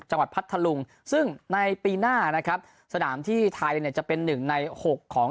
พัทธลุงซึ่งในปีหน้านะครับสนามที่ไทยเนี่ยจะเป็นหนึ่งในหกของ